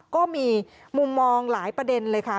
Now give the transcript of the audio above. ก็มีมุมมองหลายประเด็นเลยค่ะ